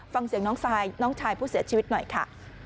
ฟังเสียงน้องชายพูดเสียชีวิตหน่อยค่ะ